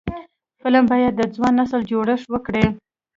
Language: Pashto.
فلم باید د ځوان نسل جوړښت وکړي